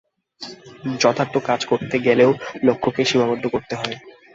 যথার্থ কাজ করতে গেলেই লক্ষকে সীমাবদ্ধ করতে হয়।